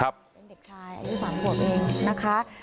เป็นเด็กชายอันนี้สามขวบเองนะคะ